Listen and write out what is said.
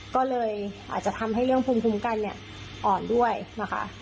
ก็เลยอาจจะทำให้เรื่องภูมิคุ้มกันเนี่ยอ่อนด้วยนะคะ